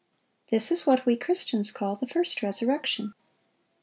This is what we Christians call the first resurrection.